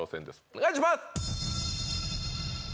お願いします。